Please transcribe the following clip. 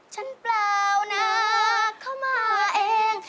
เปล่านะเข้ามาเอง